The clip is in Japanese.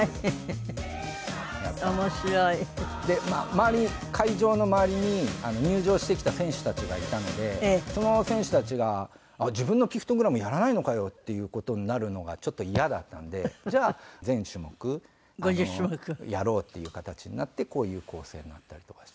周りに会場の周りに入場してきた選手たちがいたのでその選手たちが自分のピクトグラムやらないのかよっていう事になるのがちょっとイヤだったんでじゃあ全種目やろうっていう形になってこういう構成になったりとか。